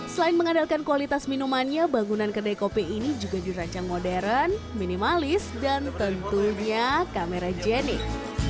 selain mengandalkan kualitas minumannya bangunan kedai kopi ini juga dirancang modern minimalis dan tentunya kamera genik